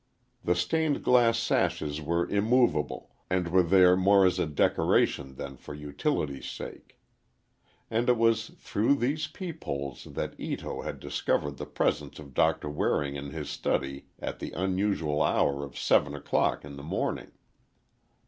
The stained glass sashes were immovable, and were there more as a decoration than for utility's sake. And it was through these peepholes that Ito had discovered the presence of Doctor Waring in his study at the unusual hour of seven o'clock in the morning.